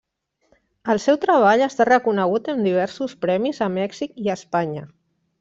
El seu treball ha estat reconegut amb diversos premis a Mèxic i Espanya.